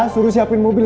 suruh siapin mobil